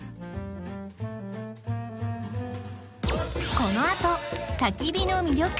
このあと焚き火の魅力